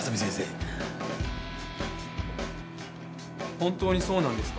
本当にそうなんですか？